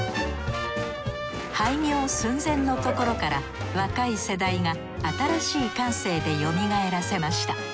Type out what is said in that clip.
廃業寸前のところから若い世代が新しい感性でよみがえらせました。